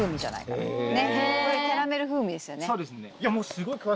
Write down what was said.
これキャラメル風味ですよね？